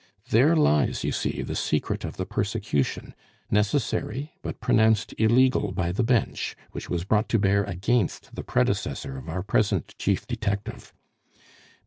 There lies, you see, the secret of the persecution, necessary, but pronounced illegal, by the Bench, which was brought to bear against the predecessor of our present chief detective.